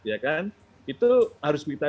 ya kan itu harus kita